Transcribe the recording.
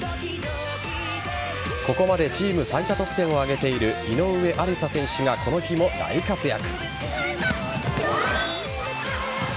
ここまでチーム最多得点を挙げている井上愛里沙選手がこの日も大活躍。